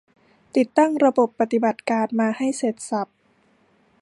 ติดตั้งระบบปฏิบัติการมาให้เสร็จสรรพ